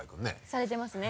されてますね。